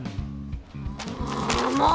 ああもう！